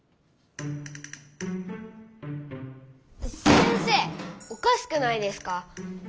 先生おかしくないですか！？